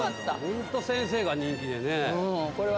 ホント先生が人気でね。